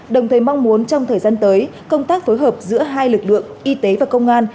đồng thời mong muốn trong thời gian tới công tác phối hợp giữa hai lực lượng y tế và công an